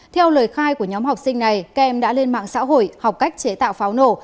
theo lời khai của nhóm học sinh này các em đã lên mạng xã hội học cách chế tạo pháo nổ